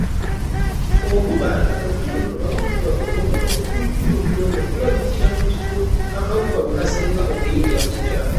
Obubala obutono nga buddugavu oba obutulituli obutono bulabikira mu kifo akawuka we kasima okuyingira mu kimera.